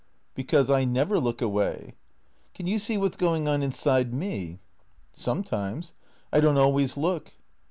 " Because I never look away." " Can you see what 's going on inside mef "" Sometimes. I don't always look."